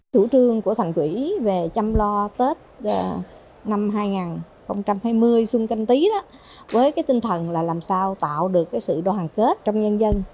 chủ trương của thành quỹ về chăm lo tết năm hai nghìn hai mươi xuân canh tí với tinh thần là làm sao tạo được sự đoàn kết trong nhân dân